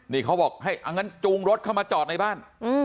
นี่เขาบอกให้อั้นจูงรถเข้ามาจอดในบ้าน